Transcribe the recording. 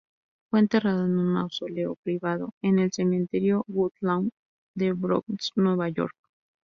Fue enterrado en un mausoleo privado en el Cementerio Woodlawn del Bronx, Nueva York.